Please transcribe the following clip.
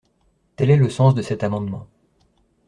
» Tel est le sens de cet amendement.